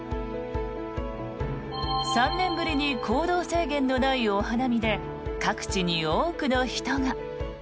３年ぶりに行動制限のないお花見で各地に多くの人が。